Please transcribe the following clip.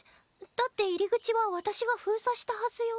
だって入り口は私が封鎖したはずよ？